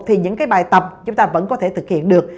thì những cái bài tập chúng ta vẫn có thể thực hiện được